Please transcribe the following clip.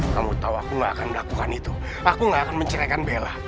kamu tahu aku gak akan melakukan itu aku gak akan menceraikan bela